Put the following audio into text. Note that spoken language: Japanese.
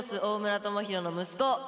大村朋宏の息子